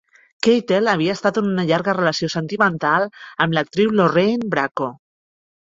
Keitel havia estat en una llarga relació sentimental amb l'actriu Lorraine Bracco.